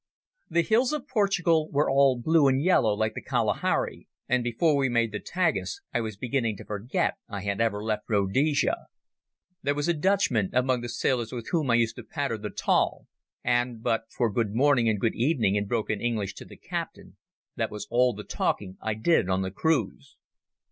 The hills of Portugal were all blue and yellow like the Kalahari, and before we made the Tagus I was beginning to forget I had ever left Rhodesia. There was a Dutchman among the sailors with whom I used to patter the taal, and but for "Good morning" and "Good evening" in broken English to the captain, that was about all the talking I did on the cruise.